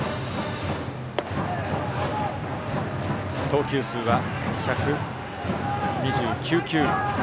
投球数は１２９球。